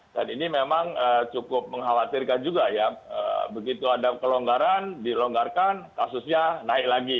dan ini memang cukup mengkhawatirkan juga ya begitu ada kelonggaran dilonggarkan kasusnya naik lagi